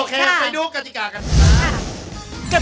โอเคไปดูกฎิกากัน